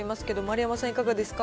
雛形さんはいかがですか。